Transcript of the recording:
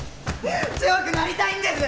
強くなりたいんです！